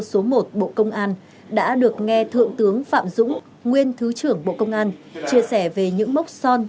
số một bộ công an đã được nghe thượng tướng phạm dũng nguyên thứ trưởng bộ công an chia sẻ về những mốc son